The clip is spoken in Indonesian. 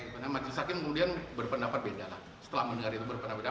pada majlis sakit kemudian berpendapat beda setelah mendengar itu berpendapat beda